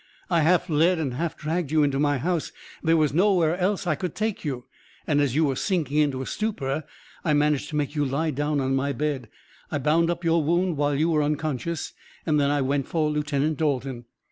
"I half led and half dragged you into my house there was nowhere else I could take you and, as you were sinking into a stupor, I managed to make you lie down on my bed. I bound up your wound, while you were unconscious, and then I went for Lieutenant Dalton."